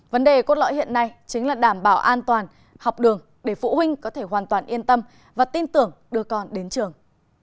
vấn đề cốt lõi hiện nay chính là đảm bảo an toàn học đường để phụ huynh có thể hoàn toàn yên tâm và tin tưởng đưa con đến trường